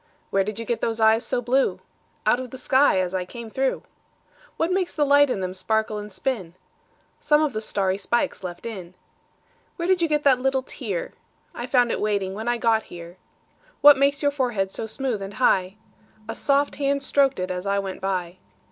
Where did you get those eyes so blue? Out of the sky as I came through. What makes the light in them sparkle and spin? Some of the starry spikes left in. Where did you get that little tear?I found it waiting when I got here. What makes your forehead so smooth and high?A soft hand strok'd it as I went by.